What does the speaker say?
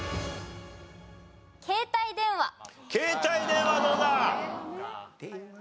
携帯電話どうだ？